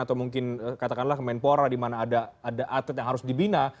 atau mungkin katakanlah kemenpora di mana ada atlet yang harus dibina